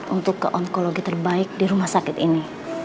untuk ke onkologi terbaik di rumah sakit ini